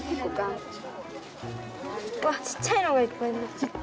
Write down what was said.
わっちっちゃいのがいっぱい出てきた。